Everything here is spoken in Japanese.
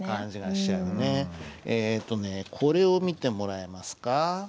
えっとねこれを見てもらえますか。